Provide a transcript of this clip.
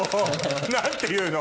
何ていうの？